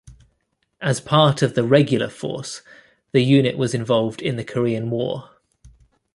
As part of the Regular Force, the unit was involved in the Korean War.